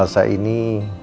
tepat di sekianter